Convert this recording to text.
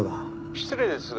「失礼ですが」